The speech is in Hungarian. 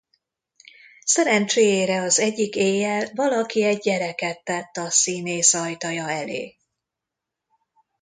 Szerencséjére az egyik éjjel valaki egy gyereket tett a színész ajtaja elé.